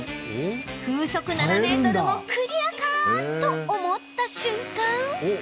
風速７メートルもクリアかと思った瞬間